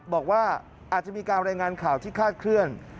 บอกว่าอาจจะมีการรายงานข่าวที่คาดเคลื่อน